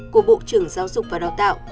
của bộ trưởng giáo dục và đào tạo